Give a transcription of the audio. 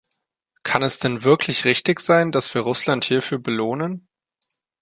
Kann es denn wirklich richtig sein, dass wir Russland hierfür belohnen?